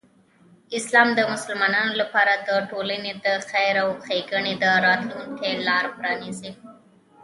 اسلام د مسلمانانو لپاره د ټولنې د خیر او ښېګڼې د راتلوونکی لاره پرانیزي.